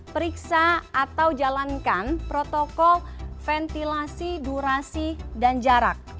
periksa atau jalankan protokol ventilasi durasi dan jarak